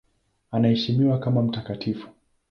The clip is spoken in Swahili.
Anaheshimiwa kama mtakatifu.